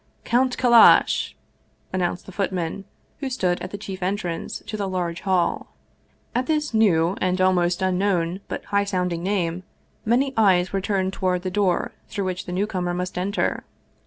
" Count Kal lash !" announced the footman, who stood at the chief en trance to the large hall. At this new and almost unknown but high sounding name, many eyes were turned toward the door through which the newcomer must enter.